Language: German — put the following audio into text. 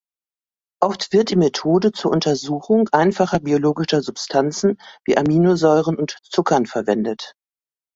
Oft wird die Methode zur Untersuchung einfacher biologischer Substanzen wie Aminosäuren und Zuckern verwendet.